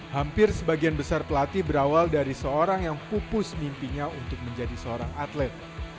hampir sebagian besar pelatih berawal dari seorang yang pupus mimpinya untuk menjadi seorang atlet